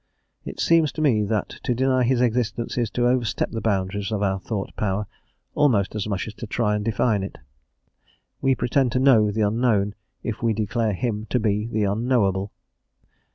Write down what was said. It seems to me that to deny his existence is to overstep the boundaries of our thought power almost as much as to try and define it. We pretend to know the Unknown if we declare Him to be the Unknowable.